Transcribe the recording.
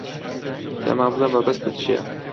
پێمان بڵێ مەبەستت چییە.